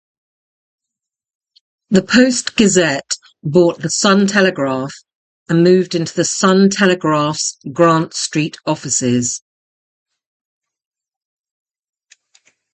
The "Post-Gazette" bought the "Sun-Telegraph" and moved into the "Sun-Telegraph"'s Grant Street offices.